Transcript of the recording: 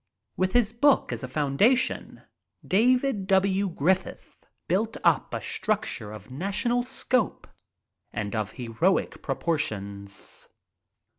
With this book as a foundation, David W. Griffith built up a structure of national scope and of heroic proportions.